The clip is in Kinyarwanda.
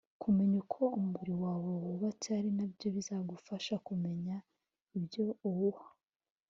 kumenya uko umubiri wawe wubatse ari nabyo bizagufasha kumenya ibyo uwuha